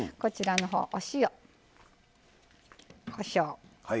お塩、こしょう。